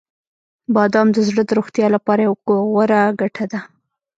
• بادام د زړه د روغتیا لپاره یوه غوره ګټه ده.